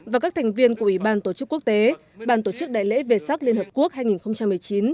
và các thành viên của ủy ban tổ chức quốc tế bàn tổ chức đại lễ về sắc liên hợp quốc hai nghìn một mươi chín